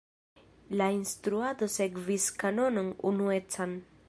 La instruado sekvis kanonon unuecan.